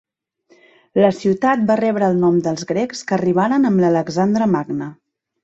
La ciutat va rebre el nom dels grecs que arribaren amb l'Alexandre Magne.